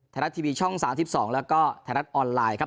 ไทยรัฐทีวีช่อง๓๒แล้วก็ไทยรัฐออนไลน์ครับ